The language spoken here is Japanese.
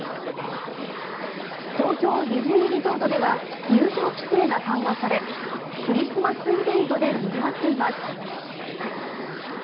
東京ディズニーリゾートでは入場規制が緩和されクリスマスイベントでにぎわっています。